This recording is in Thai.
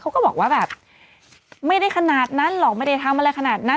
เขาก็บอกว่าแบบไม่ได้ขนาดนั้นหรอกไม่ได้ทำอะไรขนาดนั้น